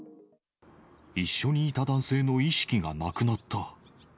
一緒にいた男性の意識がなくなった。